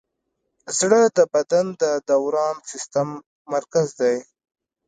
زړه د بدن د دوران سیسټم مرکز دی.